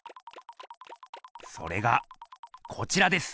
それがこちらです！